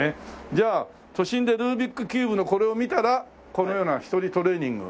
じゃあ都心でルービックキューブのこれを見たらこのような１人トレーニング。